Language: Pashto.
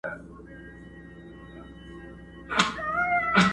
پېړۍ وړاندي له وطن د جادوګرو!.